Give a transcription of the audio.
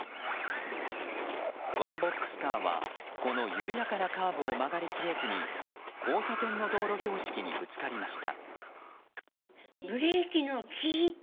ワンボックスカーはこの緩やかなカーブを曲がり切れずに交差点の道路標識にぶつかりました。